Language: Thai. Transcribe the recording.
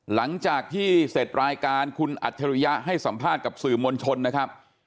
หลังจากที่เสร็จรายการคุณอัจฉริยะให้สัมภาษณ์กับสื่อมวลชนนะครับ